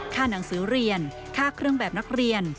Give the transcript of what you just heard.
หนังสือเรียนค่าเครื่องแบบนักเรียน